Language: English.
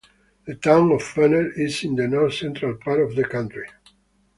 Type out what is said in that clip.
The Town of Fenner is in the north-central part of the county.